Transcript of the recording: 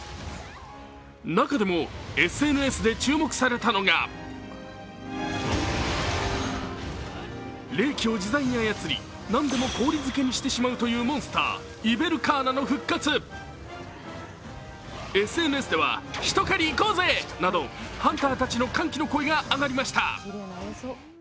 中でもＳＮＳで注目されたのが冷気を自在に操り、何でも氷漬けにしてしまうというモンスター、イヴェルカーナの復活ＳＮＳではハンターたちの歓喜の声が上がりました。